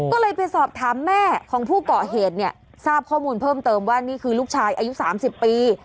ก็เลยไปสอบถามแม่ของผู้เกาะเหตุเนี่ยทราบข้อมูลเพิ่มเติมว่านี่คือลูกชายอายุ๓๐ปี